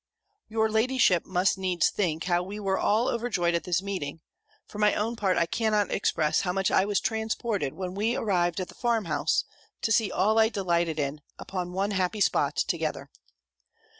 Your ladyship must needs think, how we were all overjoyed at this meeting: for my own part I cannot express how much I was transported when we arrived at the farm house, to see all I delighted in, upon one happy spot together.